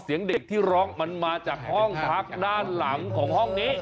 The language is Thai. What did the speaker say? เสียงเด็กที่ร้องมันมาจากห้องพักด้านหลังของห้องนี้